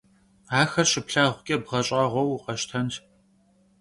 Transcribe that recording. Axer şıplhağuç'e bğeş'ağueu vukheştenş!